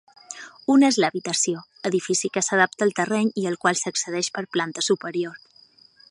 Un és l'habitació, edifici que s'adapta al terreny i al qual s'accedeix per planta superior.